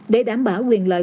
để đảm bảo quyền lợi